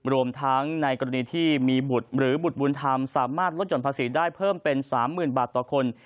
รวมทั้งในกรณีที่มีบุตรหรือบุตรบุญธรรมสามารถลดหย่อนภาษีได้เพิ่มเป็น๓๐๐๐บาทต่อคน